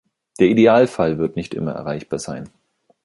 Der Idealfall wird nicht immer erreichbar sein.